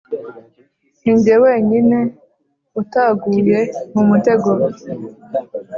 ninjye wenyine utaguye mu mutego.